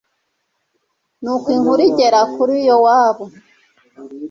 ni uko inkuru igera kuri yowabu